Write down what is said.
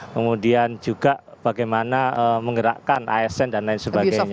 kemudian juga bagaimana menggerakkan asn dan lain sebagainya